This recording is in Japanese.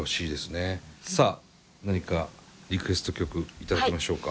さあ何かリクエスト曲頂きましょうか。